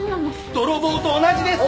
泥棒と同じですよ！